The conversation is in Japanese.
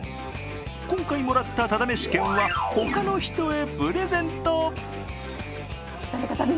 今回もらったただめし券は他の人へプレゼント。